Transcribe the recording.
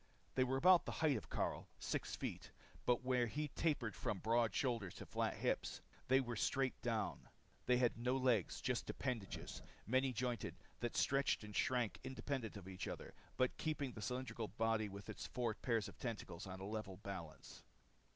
They were about the height of Karyl six feet. But where he tapered from broad shoulders to flat hips, they were straight up and down. They had no legs, just appendages, many jointed that stretched and shrank independent of the other, but keeping the cylindrical body with its four pairs of tentacles on a level balance.